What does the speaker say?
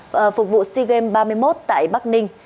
và phục vụ sigem ba mươi một tại bắc ninh